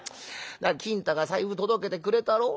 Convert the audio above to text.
金太が財布届けてくれたろう。